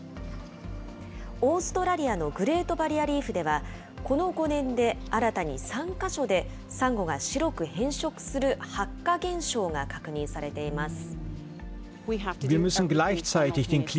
オーストラリアのグレートバリアリーフでは、この５年で新たに３か所で、サンゴが白く変色する白化現象が確認されています。